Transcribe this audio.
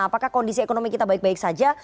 apakah kondisi ekonomi kita baik baik saja